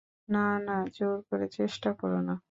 না না, জোর করে চেষ্টা কোরো না।